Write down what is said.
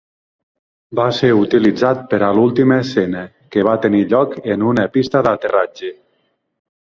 Va ser utilitzat per a l'última escena, que va tenir lloc en una pista d'aterratge.